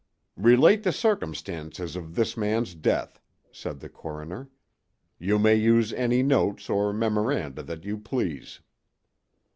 "Relate the circumstances of this man's death," said the coroner. "You may use any notes or memoranda that you please."